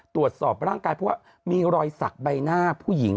ตรวจสอบร่างกายเพราะว่ามีรอยสักใบหน้าผู้หญิง